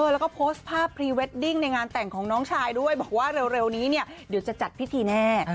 แล้วก็โพสต์ภาพพรีเวดดิ้งในงานแต่งของน้องชายด้วยบอกว่าเร็วนี้เนี่ยเดี๋ยวจะจัดพิธีแน่